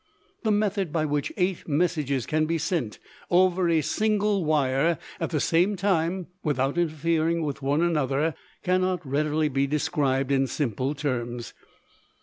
The method by which eight messages can be sent over a single wire at the same time without interfering with one another cannot readily be described in simple terms.